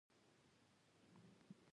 امیر عبدالرحمن خان مرستې ونه کړې.